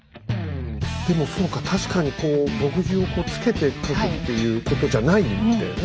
でもそうか確かにこう墨汁をこうつけて書くっていうことじゃないんだよね。